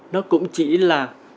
đó cũng chỉ là